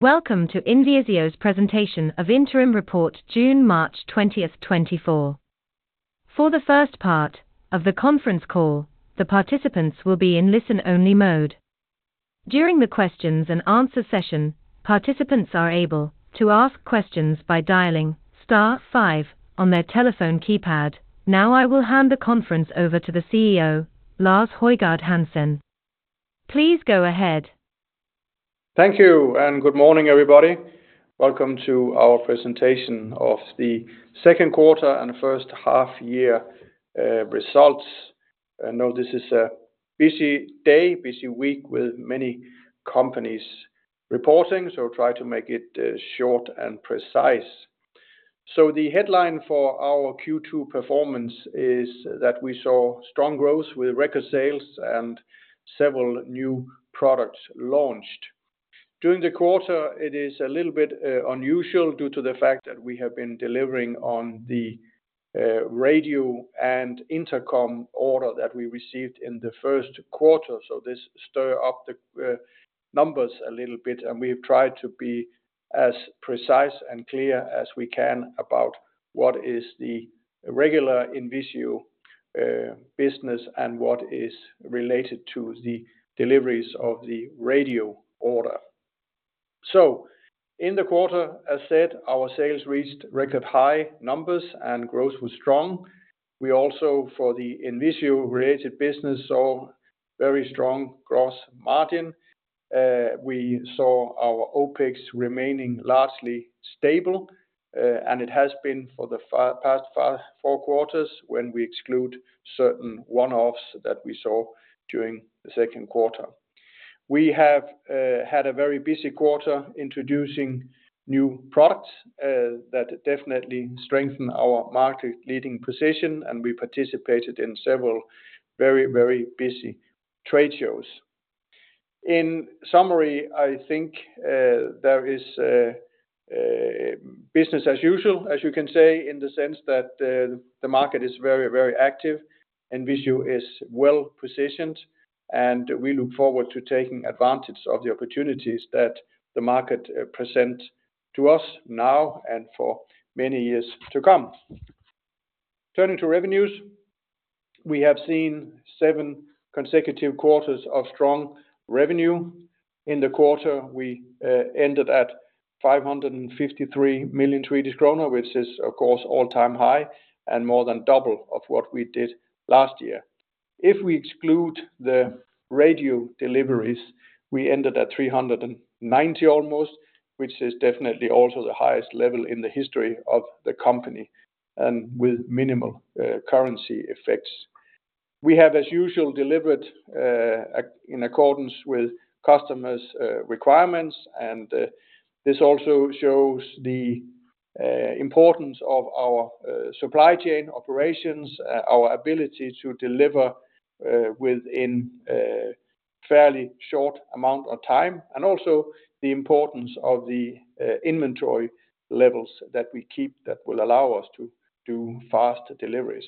Welcome to INVISIO's presentation of Interim Report June/March 2024. For the first part of the conference call, the participants will be in listen-only mode. During the Q&A session, participants are able to ask questions by dialing *5 on their telephone keypad. Now I will hand the conference over to the CEO, Lars Højgård Hansen. Please go ahead. Thank you, and good morning, everybody. Welcome to our presentation of the second quarter and first half-year results. I know this is a busy day, busy week with many companies reporting, so I'll try to make it short and precise. So the headline for our Q2 performance is that we saw strong growth with record sales and several new products launched. During the quarter, it is a little bit unusual due to the fact that we have been delivering on the radio and intercom order that we received in the first quarter, so this stirred up the numbers a little bit. And we have tried to be as precise and clear as we can about what is the regular INVISIO business and what is related to the deliveries of the radio order. So in the quarter, as said, our sales reached record high numbers, and growth was strong. We also, for the INVISIO-related business, saw very strong gross margin. We saw our OpEx remaining largely stable, and it has been for the past four quarters when we exclude certain one-offs that we saw during the second quarter. We have had a very busy quarter introducing new products that definitely strengthen our market-leading position, and we participated in several very, very busy trade shows. In summary, I think there is business as usual, as you can say, in the sense that the market is very, very active, INVISIO is well positioned, and we look forward to taking advantage of the opportunities that the market presents to us now and for many years to come. Turning to revenues, we have seen seven consecutive quarters of strong revenue. In the quarter, we ended at 553 million Swedish kronor, which is, of course, all-time high and more than double of what we did last year. If we exclude the radio deliveries, we ended at almost SEK 390 million, which is definitely also the highest level in the history of the company and with minimal currency effects. We have, as usual, delivered in accordance with customers' requirements, and this also shows the importance of our supply chain operations, our ability to deliver within a fairly short amount of time, and also the importance of the inventory levels that we keep that will allow us to do fast deliveries.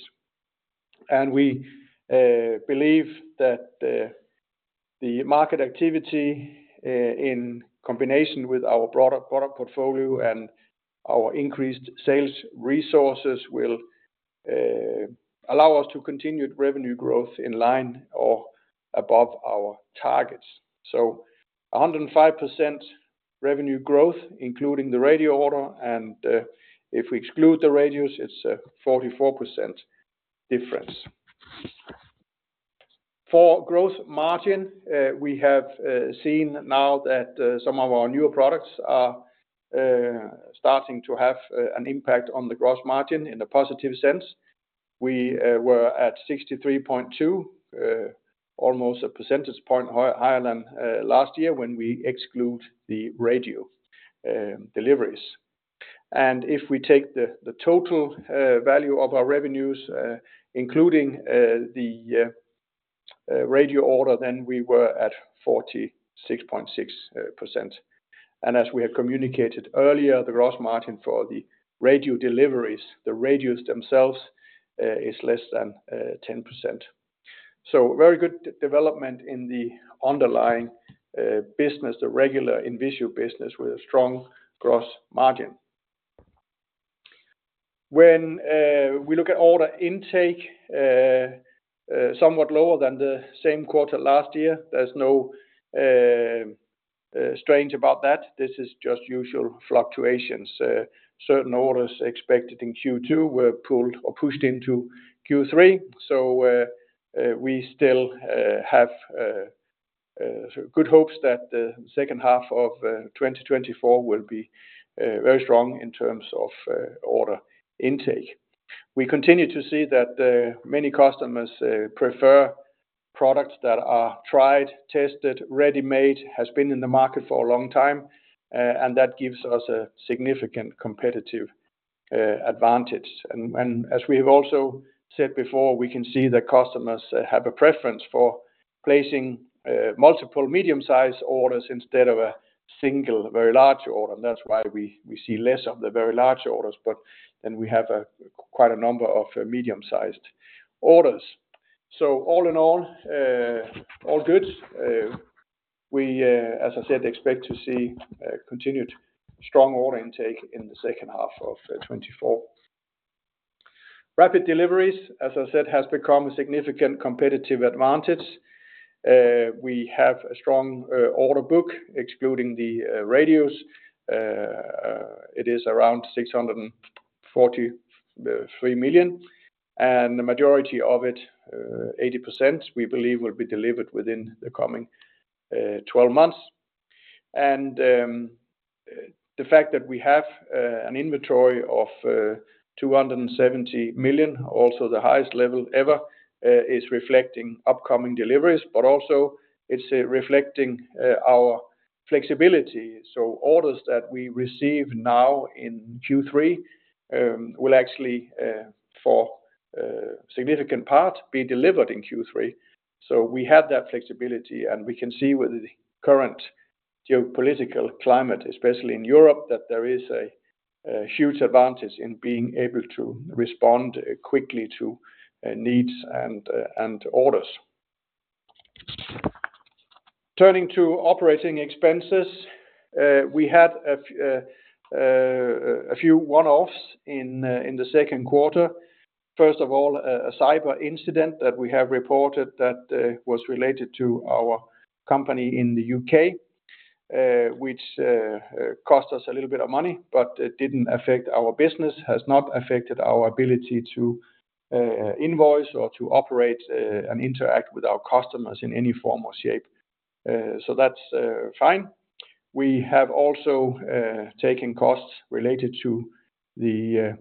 We believe that the market activity, in combination with our broader product portfolio and our increased sales resources, will allow us to continue revenue growth in line or above our targets. 105% revenue growth, including the radio order, and if we exclude the radios, it's a 44% difference. For gross margin, we have seen now that some of our newer products are starting to have an impact on the gross margin in a positive sense. We were at 63.2%, almost a percentage point higher than last year when we exclude the radio deliveries. And if we take the total value of our revenues, including the radio order, then we were at 46.6%. And as we have communicated earlier, the gross margin for the radio deliveries, the radios themselves, is less than 10%. Very good development in the underlying business, the regular INVISIO business, with a strong gross margin. When we look at order intake, somewhat lower than the same quarter last year, there's nothing strange about that. This is just usual fluctuations. Certain orders expected in Q2 were pulled or pushed into Q3, so we still have good hopes that the second half of 2024 will be very strong in terms of order intake. We continue to see that many customers prefer products that are tried, tested, ready-made, have been in the market for a long time, and that gives us a significant competitive advantage. As we have also said before, we can see that customers have a preference for placing multiple medium-sized orders instead of a single, very large order, and that's why we see less of the very large orders, but then we have quite a number of medium-sized orders. All in all, all good. We, as I said, expect to see continued strong order intake in the second half of 2024. Rapid deliveries, as I said, have become a significant competitive advantage. We have a strong order book, excluding the radios. It is around 643 million, and the majority of it, 80%, we believe, will be delivered within the coming 12 months. And the fact that we have an inventory of 270 million, also the highest level ever, is reflecting upcoming deliveries, but also it's reflecting our flexibility. So orders that we receive now in Q3 will actually, for a significant part, be delivered in Q3. So we have that flexibility, and we can see with the current geopolitical climate, especially in Europe, that there is a huge advantage in being able to respond quickly to needs and orders. Turning to operating expenses, we had a few one-offs in the second quarter. First of all, a cyber incident that we have reported that was related to our company in the UK, which cost us a little bit of money, but it didn't affect our business, has not affected our ability to invoice or to operate and interact with our customers in any form or shape. So that's fine. We have also taken costs related to the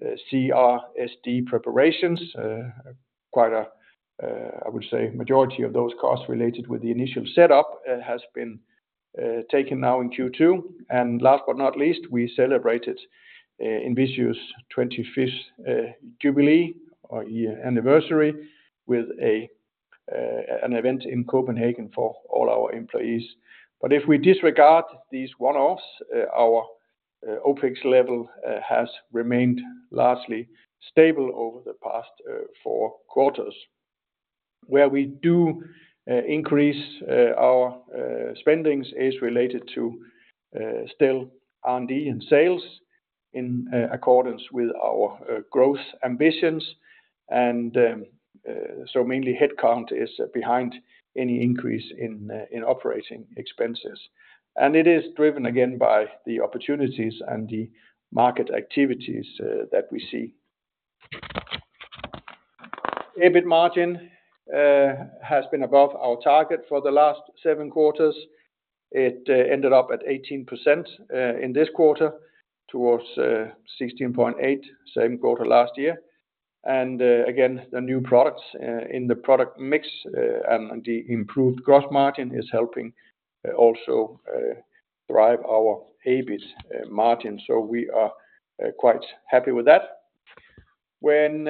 CSRD preparations. Quite a, I would say, majority of those costs related with the initial setup has been taken now in Q2. Last but not least, we celebrated INVISIO's 25th jubilee or anniversary with an event in Copenhagen for all our employees. But if we disregard these one-offs, our OpEx level has remained largely stable over the past four quarters. Where we do increase our spending is related to still R&D and sales in accordance with our growth ambitions, and so mainly headcount is behind any increase in operating expenses. It is driven again by the opportunities and the market activities that we see. EBIT margin has been above our target for the last seven quarters. It ended up at 18% in this quarter, to 16.8% same quarter last year. Again, the new products in the product mix and the improved gross margin is helping also drive our EBIT margin, so we are quite happy with that. When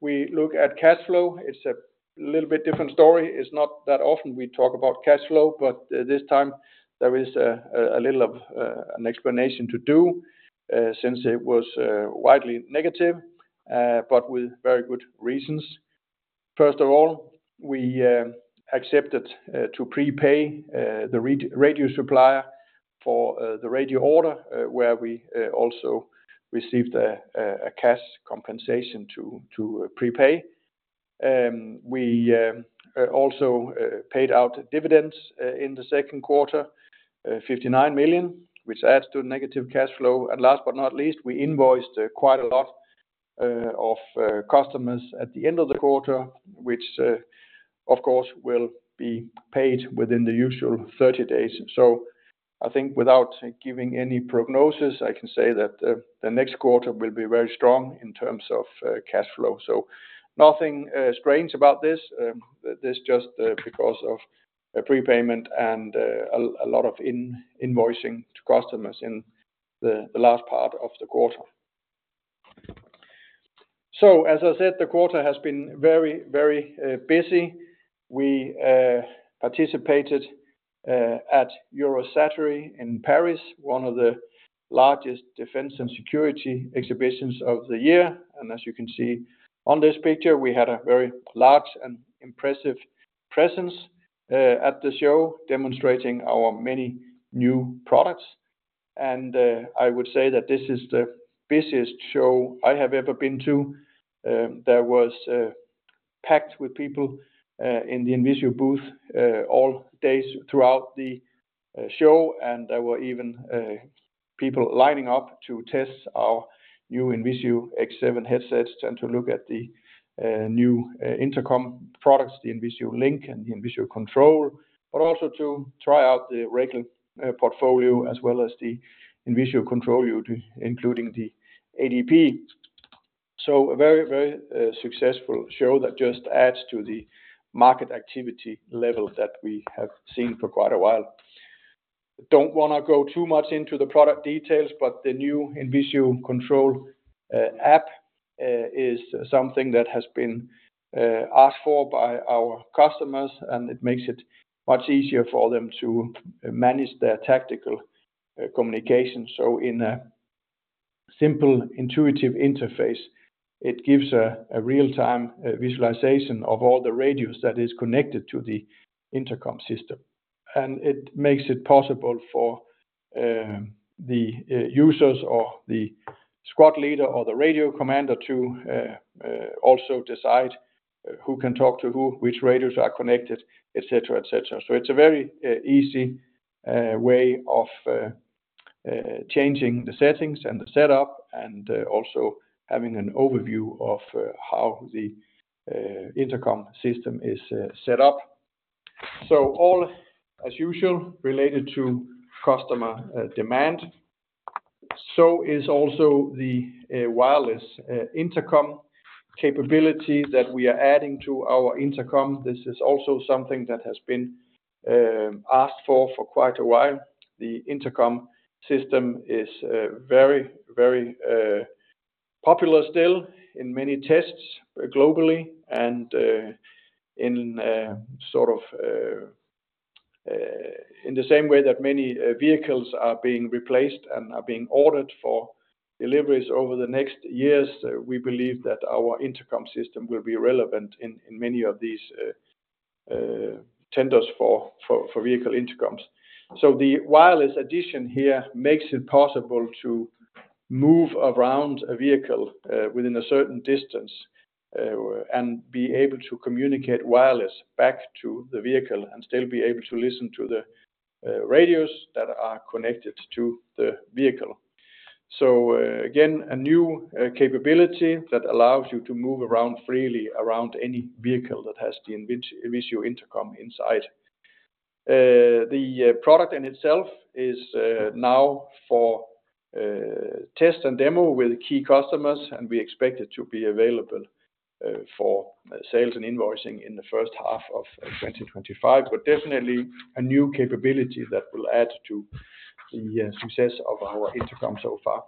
we look at cash flow, it's a little bit different story. It's not that often we talk about cash flow, but this time there is a little of an explanation to do since it was rather negative, but with very good reasons. First of all, we accepted to prepay the radio supplier for the radio order, where we also received a cash compensation to prepay. We also paid out dividends in the second quarter, 59 million, which adds to negative cash flow. And last but not least, we invoiced quite a lot of customers at the end of the quarter, which, of course, will be paid within the usual 30 days. So I think without giving any prognosis, I can say that the next quarter will be very strong in terms of cash flow. So nothing strange about this. This is just because of prepayment and a lot of invoicing to customers in the last part of the quarter. So, as I said, the quarter has been very, very busy. We participated at Eurosatory in Paris, one of the largest defense and security exhibitions of the year. As you can see on this picture, we had a very large and impressive presence at the show, demonstrating our many new products. I would say that this is the busiest show I have ever been to. It was packed with people in the INVISIO booth all days throughout the show, and there were even people lining up to test our new INVISIO X7 headsets and to look at the new intercom products, the INVISIO Link and the INVISIO Control, but also to try out the Racal portfolio as well as the INVISIO Control, including the ADP. A very, very successful show that just adds to the market activity level that we have seen for quite a while. I don't want to go too much into the product details, but the new INVISIO Control app is something that has been asked for by our customers, and it makes it much easier for them to manage their tactical communication. In a simple, intuitive interface, it gives a real-time visualization of all the radios that are connected to the intercom system. It makes it possible for the users or the squad leader or the radio commander to also decide who can talk to who, which radios are connected, et cetera, et cetera. It's a very easy way of changing the settings and the setup and also having an overview of how the intercom system is set up. All, as usual, related to customer demand. Is also the wireless intercom capability that we are adding to our intercom. This is also something that has been asked for quite a while. The intercom system is very, very popular still in many tests globally and in sort of the same way that many vehicles are being replaced and are being ordered for deliveries over the next years. We believe that our intercom system will be relevant in many of these tenders for vehicle intercoms. So the wireless addition here makes it possible to move around a vehicle within a certain distance and be able to communicate wireless back to the vehicle and still be able to listen to the radios that are connected to the vehicle. So again, a new capability that allows you to move around freely around any vehicle that has the INVISIO Intercom inside. The product in itself is now for test and demo with key customers, and we expect it to be available for sales and invoicing in the first half of 2025, but definitely a new capability that will add to the success of our intercom so far.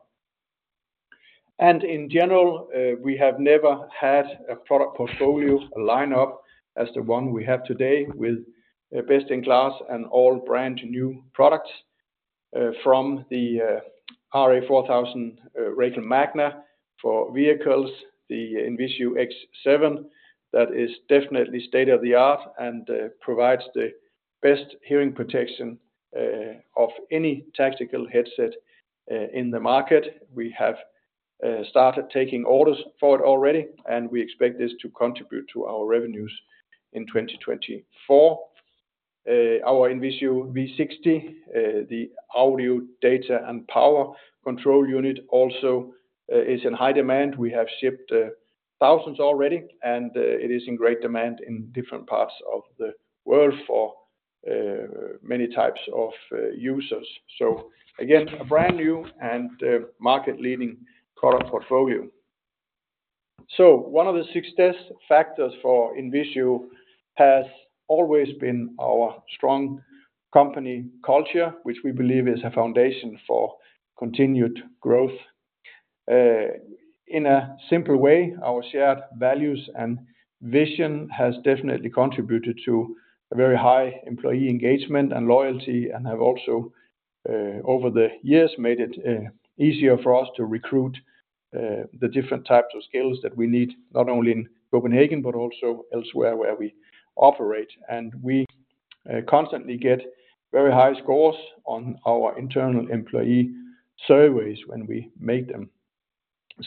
In general, we have never had a product portfolio, a lineup as the one we have today with best in class and all brand new products from the RA4000 Magna for vehicles, the INVISIO X7 that is definitely state of the art and provides the best hearing protection of any tactical headset in the market. We have started taking orders for it already, and we expect this to contribute to our revenues in 2024. Our INVISIO V60, the audio data and power control unit, also is in high demand. We have shipped thousands already, and it is in great demand in different parts of the world for many types of users. Again, a brand new and market-leading product portfolio. One of the success factors for INVISIO has always been our strong company culture, which we believe is a foundation for continued growth. In a simple way, our shared values and vision have definitely contributed to very high employee engagement and loyalty and have also, over the years, made it easier for us to recruit the different types of skills that we need, not only in Copenhagen, but also elsewhere where we operate. We constantly get very high scores on our internal employee surveys when we make them.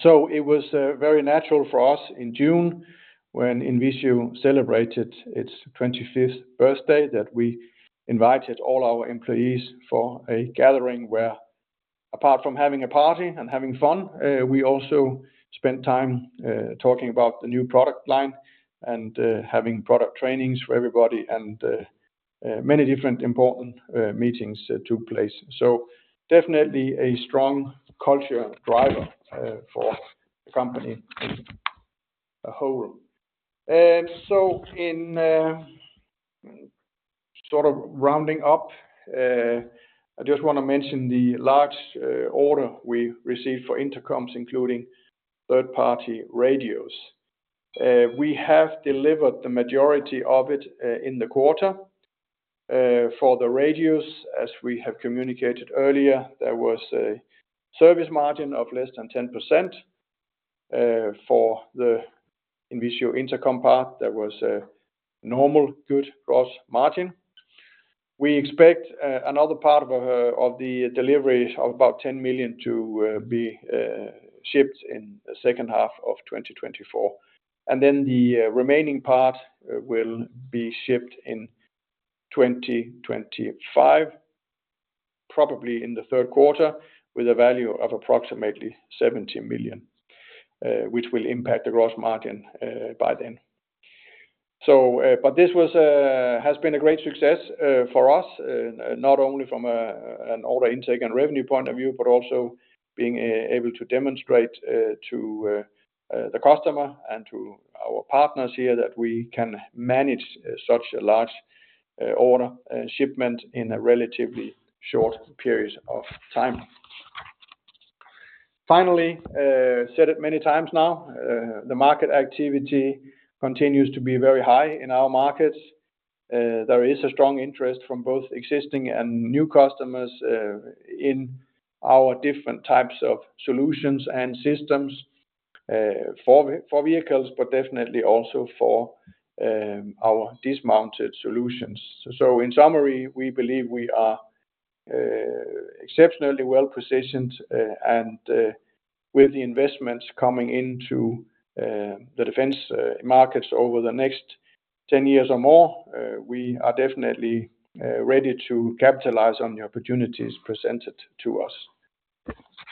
So it was very natural for us in June, when INVISIO celebrated its 25th birthday, that we invited all our employees for a gathering where, apart from having a party and having fun, we also spent time talking about the new product line and having product trainings for everybody and many different important meetings took place. So definitely a strong culture driver for the company as a whole. So in sort of rounding up, I just want to mention the large order we received for intercoms, including third-party radios. We have delivered the majority of it in the quarter. For the radios, as we have communicated earlier, there was a service margin of less than 10%. For the INVISIO intercom part, there was a normal good gross margin. We expect another part of the delivery of about 10 million to be shipped in the second half of 2024. Then the remaining part will be shipped in 2025, probably in the third quarter, with a value of approximately 70 million, which will impact the gross margin by then. But this has been a great success for us, not only from an order intake and revenue point of view, but also being able to demonstrate to the customer and to our partners here that we can manage such a large order shipment in a relatively short period of time. Finally, I said it many times now, the market activity continues to be very high in our markets. There is a strong interest from both existing and new customers in our different types of solutions and systems for vehicles, but definitely also for our dismounted solutions. So in summary, we believe we are exceptionally well-positioned, and with the investments coming into the defense markets over the next 10 years or more, we are definitely ready to capitalize on the opportunities presented to us.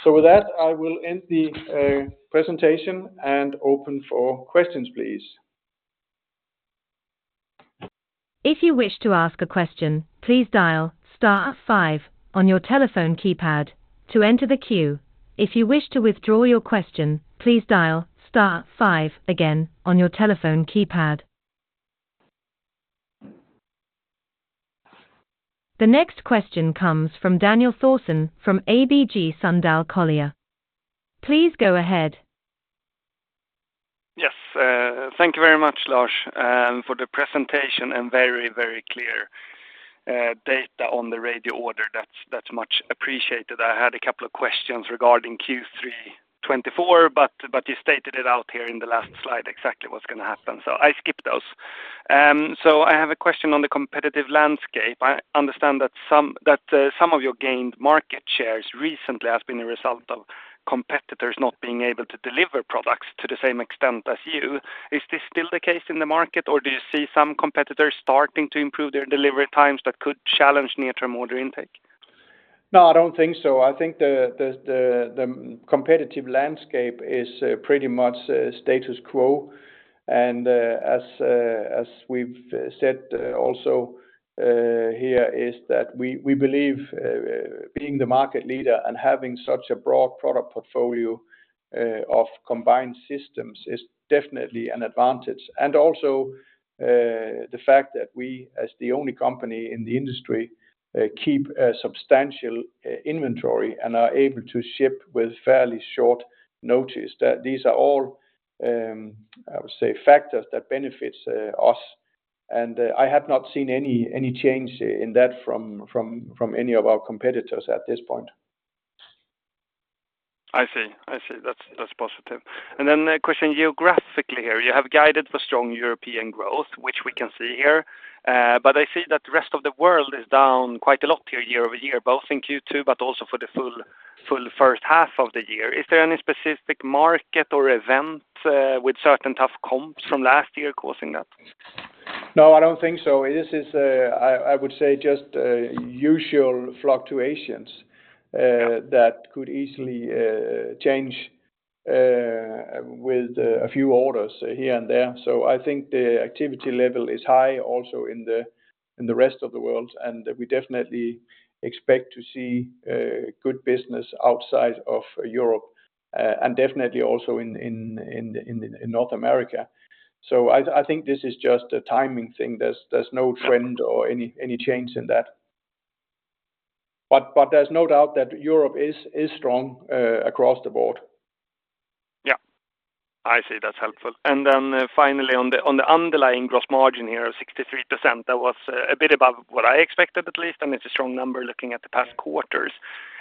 So with that, I will end the presentation and open for questions, please. If you wish to ask a question, please dial star five on your telephone keypad to enter the queue. If you wish to withdraw your question, please dial star five again on your telephone keypad. The next question comes from Daniel Thorsson from ABG Sundal Collier. Please go ahead. Yes, thank you very much, Lars, for the presentation and very, very clear data on the radio order. That's much appreciated. I had a couple of questions regarding Q3 2024, but you stated it out here in the last slide exactly what's going to happen, so I skipped those. So I have a question on the competitive landscape. I understand that some of your gained market shares recently have been a result of competitors not being able to deliver products to the same extent as you. Is this still the case in the market, or do you see some competitors starting to improve their delivery times that could challenge near-term order intake? No, I don't think so. I think the competitive landscape is pretty much status quo. And as we've said also here, is that we believe being the market leader and having such a broad product portfolio of combined systems is definitely an advantage. And also the fact that we, as the only company in the industry, keep a substantial inventory and are able to ship with fairly short notice, these are all, I would say, factors that benefit us. I have not seen any change in that from any of our competitors at this point. I see. I see. That's positive. Then a question geographically here. You have guided for strong European growth, which we can see here. But I see that the rest of the world is down quite a lot here year-over-year, both in Q2, but also for the full first half of the year. Is there any specific market or event with certain tough comps from last year causing that? No, I don't think so. This is, I would say, just usual fluctuations that could easily change with a few orders here and there. So I think the activity level is high also in the rest of the world, and we definitely expect to see good business outside of Europe and definitely also in North America. So I think this is just a timing thing. There's no trend or any change in that. But there's no doubt that Europe is strong across the board. Yeah. I see. That's helpful. And then finally, on the underlying gross margin here, 63%, that was a bit above what I expected, at least, and it's a strong number looking at the past quarters.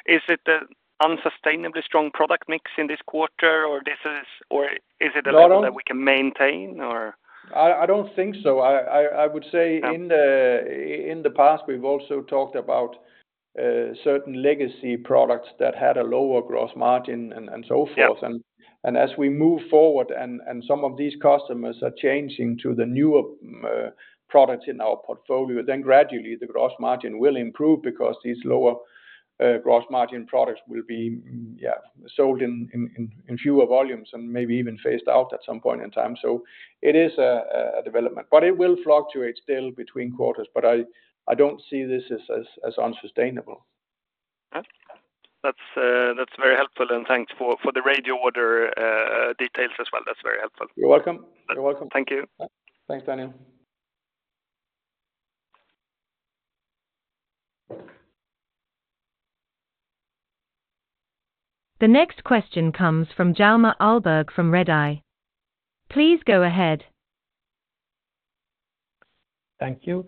Is it an unsustainably strong product mix in this quarter, or is it a level that we can maintain, or? I don't think so. I would say in the past, we've also talked about certain legacy products that had a lower gross margin and so forth. As we move forward and some of these customers are changing to the newer products in our portfolio, then gradually the gross margin will improve because these lower gross margin products will be sold in fewer volumes and maybe even phased out at some point in time. So it is a development, but it will fluctuate still between quarters, but I don't see this as unsustainable. That's very helpful, and thanks for the radio order details as well. That's very helpful. You're welcome. You're welcome. Thank you. Thanks, Daniel. The next question comes from Hjalmar Ahlberg from Redeye. Please go ahead. Thank you.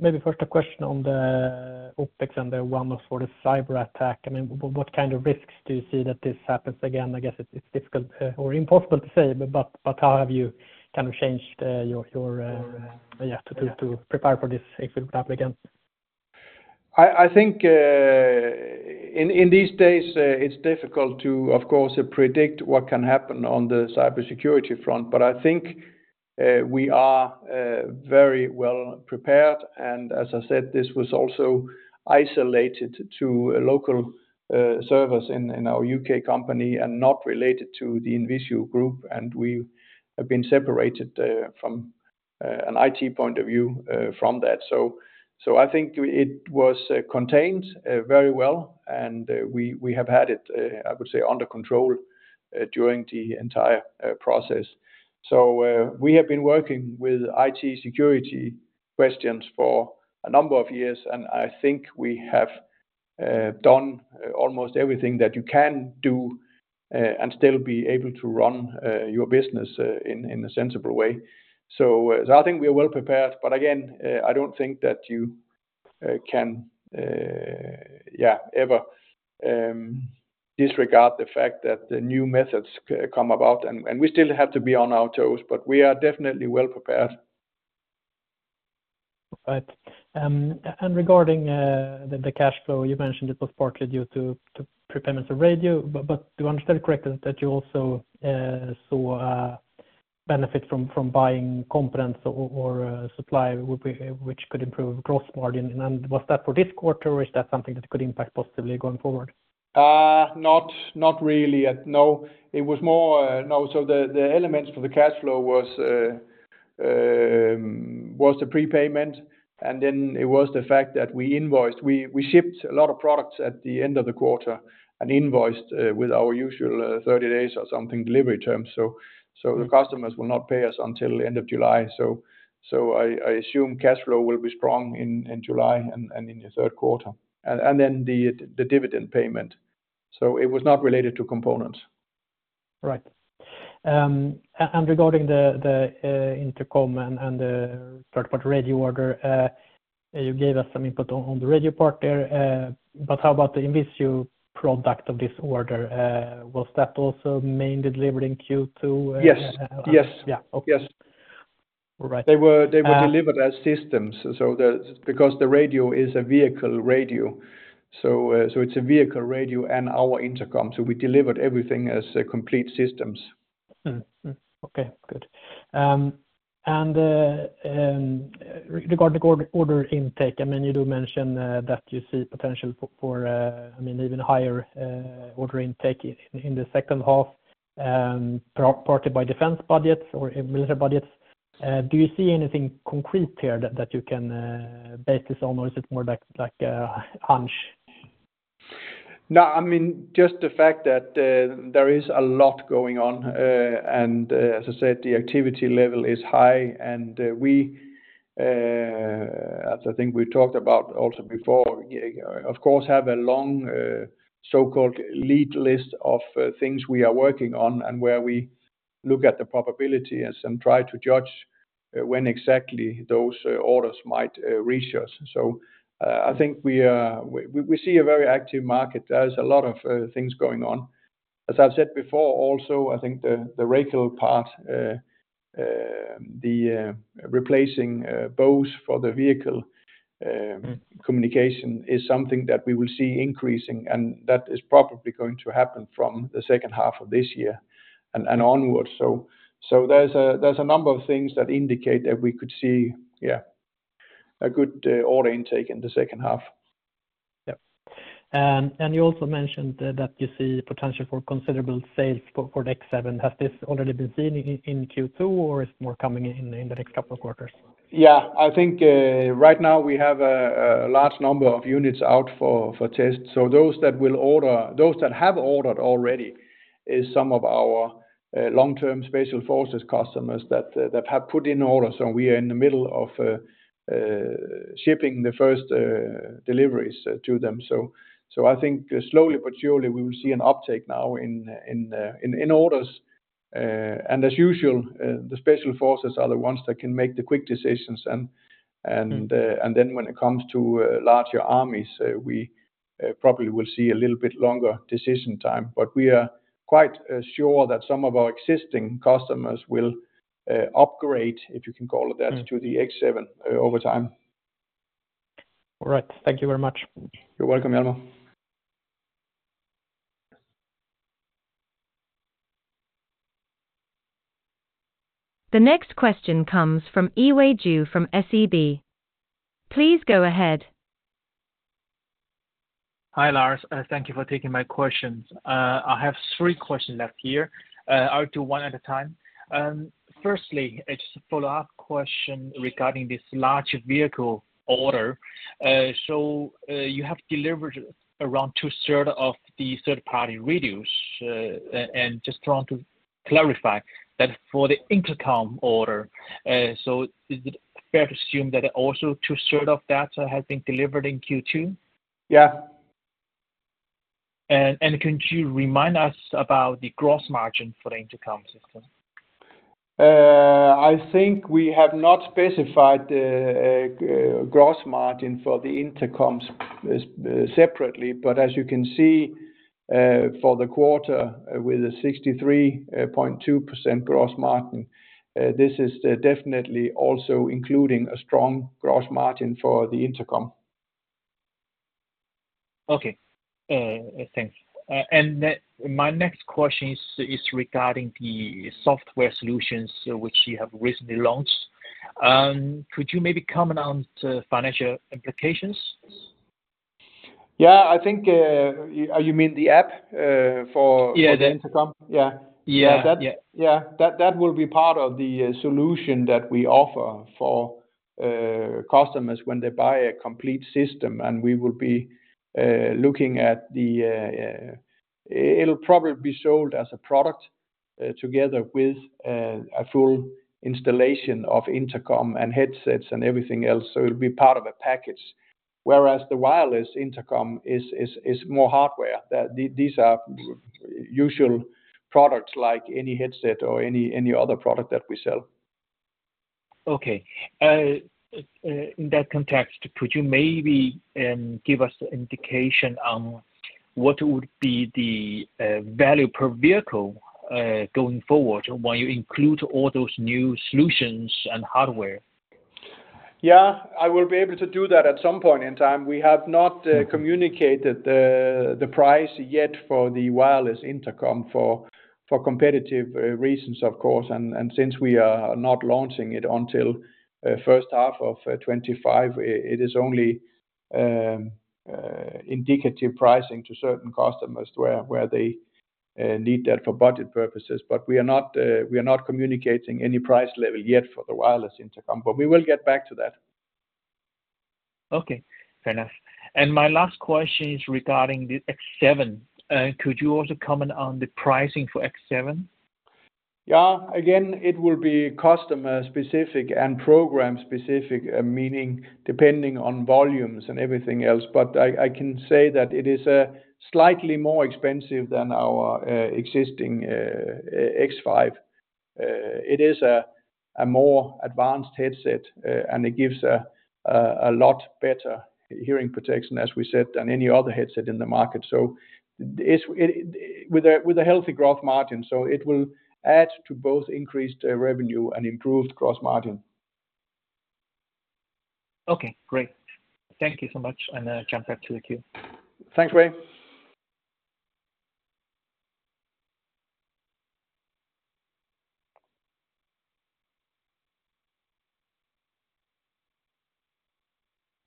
Maybe first a question on the OpEx and the one for the cyber attack. I mean, what kind of risks do you see that this happens again? I guess it's difficult or impossible to say, but how have you kind of changed your to prepare for this if it would happen again? I think in these days, it's difficult to, of course, predict what can happen on the cybersecurity front, but I think we are very well-prepared. As I said, this was also isolated to local servers in our U.K. company and not related to the INVISIO group, and we have been separated from an IT point of view from that. So I think it was contained very well, and we have had it, I would say, under control during the entire process. So we have been working with IT security questions for a number of years, and I think we have done almost everything that you can do and still be able to run your business in a sensible way. So I think we are well-prepared, but again, I don't think that you can, yeah, ever disregard the fact that new methods come about, and we still have to be on our toes, but we are definitely well-prepared. Right. And regarding the cash flow, you mentioned it was partly due to prepayments of radio, but do I understand correctly that you also saw benefit from buying components or supply, which could improve gross margin? And was that for this quarter, or is that something that could impact positively going forward? Not really. No. It was more no. So the elements for the cash flow was the prepayment, and then it was the fact that we invoiced. We shipped a lot of products at the end of the quarter and invoiced with our usual 30 days or something delivery terms. So the customers will not pay us until the end of July. So I assume cash flow will be strong in July and in the third quarter. And then the dividend payment. So it was not related to components. Right. And regarding the intercom and the third-party radio order, you gave us some input on the radio part there, but how about the INVISIO product of this order? Was that also mainly delivered in Q2? Yes. Yes. Yes. All right. They were delivered as systems because the radio is a vehicle radio. So it's a vehicle radio and our intercom. So we delivered everything as complete systems. Okay. Good. And regarding order intake, I mean, you do mention that you see potential for, I mean, even higher order intake in the second half, partly by defense budgets or military budgets. Do you see anything concrete here that you can base this on, or is it more like a hunch? No, I mean, just the fact that there is a lot going on. As I said, the activity level is high, and we, as I think we talked about also before, of course, have a long so-called lead list of things we are working on and where we look at the probabilities and try to judge when exactly those orders might reach us. I think we see a very active market. There's a lot of things going on. As I've said before, also, I think the vehicle part, the replacing BOEs for the vehicle communication is something that we will see increasing, and that is probably going to happen from the second half of this year and onward. So there's a number of things that indicate that we could see, yeah, a good order intake in the second half. Yeah. And you also mentioned that you see potential for considerable sales for the X7. Has this already been seen in Q2, or is it more coming in the next couple of quarters? Yeah. I think right now we have a large number of units out for test. So those that will order, those that have ordered already is some of our long-term special forces customers that have put in orders. So we are in the middle of shipping the first deliveries to them. So I think slowly but surely we will see an uptake now in orders. And as usual, the special forces are the ones that can make the quick decisions. And then when it comes to larger armies, we probably will see a little bit longer decision time. But we are quite sure that some of our existing customers will upgrade, if you can call it that, to the X7 over time. All right. Thank you very much. You're welcome, Hjalmar. The next question comes from Yiwei from SEB. Please go ahead. Hi, Lars. Thank you for taking my questions. I have three questions left here. I'll do one at a time. Firstly, just a follow-up question regarding this large vehicle order. So you have delivered around two-thirds of the third-party radios. And just want to clarify that for the intercom order, so is it fair to assume that also two-thirds of that has been delivered in Q2? Yeah. And could you remind us about the gross margin for the intercom system? I think we have not specified the gross margin for the intercoms separately, but as you can see, for the quarter with a 63.2% gross margin, this is definitely also including a strong gross margin for the intercom. Okay. Thanks. My next question is regarding the software solutions which you have recently launched. Could you maybe comment on financial implications? Yeah. I think you mean the app for the intercom? Yeah. Yeah. Yeah. That will be part of the solution that we offer for customers when they buy a complete system, and it'll probably be sold as a product together with a full installation of intercom and headsets and everything else. It'll be part of a package, whereas the wireless intercom is more hardware. These are usual products like any headset or any other product that we sell. Okay. In that context, could you maybe give us an indication on what would be the value per vehicle going forward when you include all those new solutions and hardware? Yeah. I will be able to do that at some point in time. We have not communicated the price yet for the wireless intercom for competitive reasons, of course. And since we are not launching it until first half of 2025, it is only indicative pricing to certain customers where they need that for budget purposes. But we are not communicating any price level yet for the wireless intercom, but we will get back to that. Okay. Fair enough. And my last question is regarding the X7. Could you also comment on the pricing for X7? Yeah. Again, it will be customer-specific and program-specific, meaning depending on volumes and everything else. But I can say that it is slightly more expensive than our existing X5. It is a more advanced headset, and it gives a lot better hearing protection, as we said, than any other headset in the market. So with a healthy gross margin, so it will add to both increased revenue and improved gross margin. Okay. Great. Thank you so much, and I'll jump back to the queue. Thanks, Wei.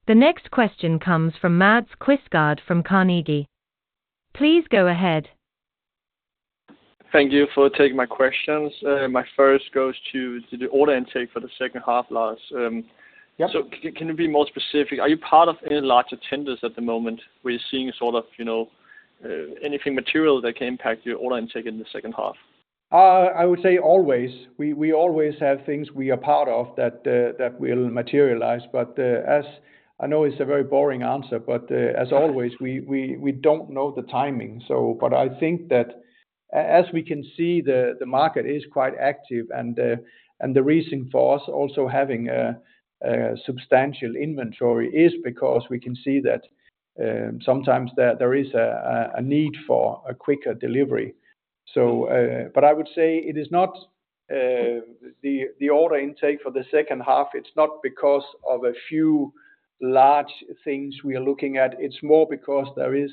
The next question comes from Mads Quistgaard from Carnegie. Please go ahead. Thank you for taking my questions. My first goes to the order intake for the second half, Lars. So can you be more specific? Are you part of any larger tenders at the moment? We're seeing sort of anything material that can impact your order intake in the second half. I would say always. We always have things we are part of that will materialize. But I know it's a very boring answer, but as always, we don't know the timing. But I think that as we can see, the market is quite active, and the reason for us also having a substantial inventory is because we can see that sometimes there is a need for a quicker delivery. But I would say it is not the order intake for the second half. It's not because of a few large things we are looking at. It's more because there is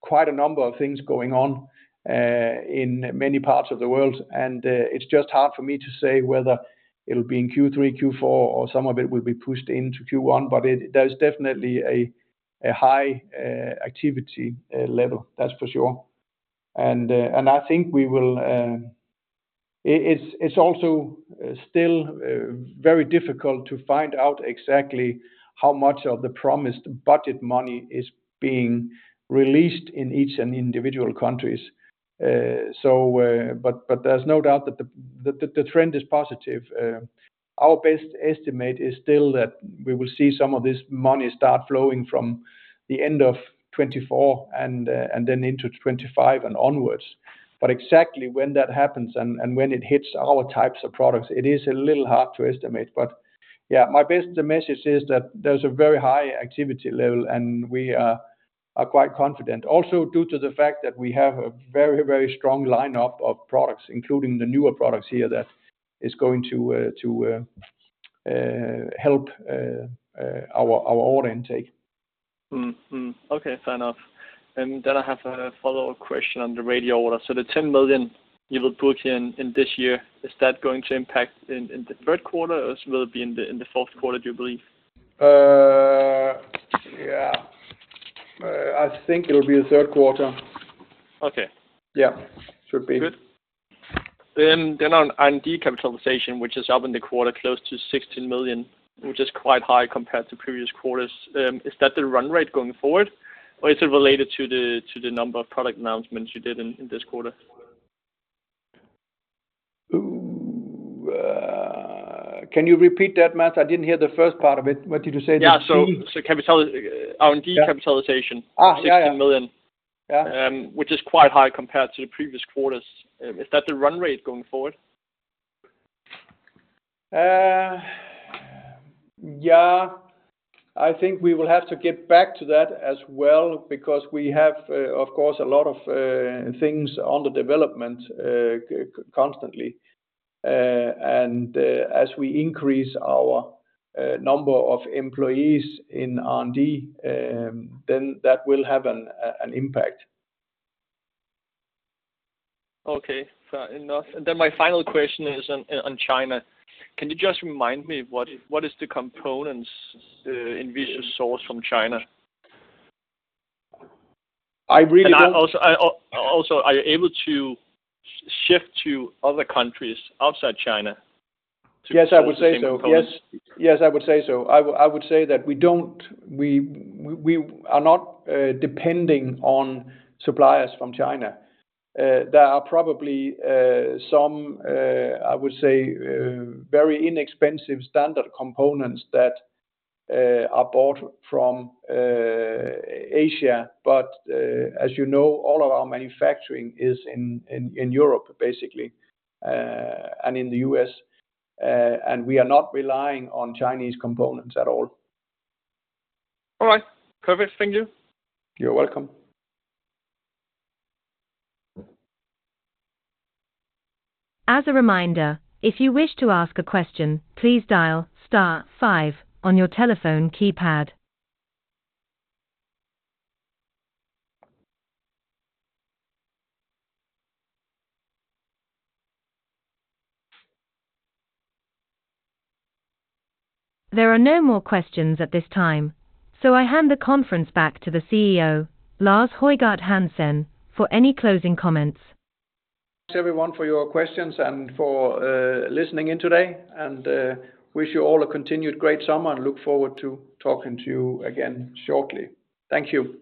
quite a number of things going on in many parts of the world, and it's just hard for me to say whether it'll be in Q3, Q4, or some of it will be pushed into Q1, but there's definitely a high activity level. That's for sure. And I think we will, it's also still very difficult to find out exactly how much of the promised budget money is being released in each and individual countries. But there's no doubt that the trend is positive. Our best estimate is still that we will see some of this money start flowing from the end of 2024 and then into 2025 and onwards. But exactly when that happens and when it hits our types of products, it is a little hard to estimate. But yeah, my best message is that there's a very high activity level, and we are quite confident. Also due to the fact that we have a very, very strong lineup of products, including the newer products here, that is going to help our order intake. Okay. Fair enough. And then I have a follow-up question on the radio order. So the 10 million you will put in this year, is that going to impact in the third quarter, or will it be in the fourth quarter, do you believe? Yeah. I think it'll be the third quarter. Okay. Yeah. Should be. Good. Then on capitalization, which is up in the quarter, close to 16 million, which is quite high compared to previous quarters, is that the run rate going forward, or is it related to the number of product announcements you did in this quarter? Can you repeat that, Mads? I didn't hear the first part of it. What did you say? Yeah. So R&D capitalization, 16 million, which is quite high compared to the previous quarters. Is that the run rate going forward? Yeah. I think we will have to get back to that as well because we have, of course, a lot of things under development constantly. As we increase our number of employees in R&D, then that will have an impact. Okay. Fair enough. And then my final question is on China. Can you just remind me what is the components INVISIO source from China? Also, are you able to shift to other countries outside China? Yes, I would say so. Yes. Yes, I would say so. I would say that we are not depending on suppliers from China. There are probably some, I would say, very inexpensive standard components that are bought from Asia. But as you know, all of our manufacturing is in Europe, basically, and in the US, and we are not relying on Chinese components at all. All right. Perfect. Thank you. You're welcome. As a reminder, if you wish to ask a question, please dial star five on your telephone keypad. There are no more questions at this time, so I hand the conference back to the CEO, Lars Højgård Hansen, for any closing comments. Thanks, everyone, for your questions and for listening in today. Wish you all a continued great summer and look forward to talking to you again shortly. Thank you.